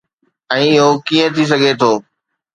۽ اهو ڪيئن ٿي سگهي ٿو؟